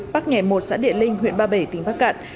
bắc nghè một xã địa linh huyện ba bể tỉnh bắc cạn